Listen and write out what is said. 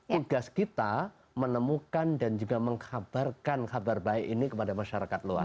tugas kita menemukan dan juga mengkabarkan kabar baik ini kepada masyarakat luas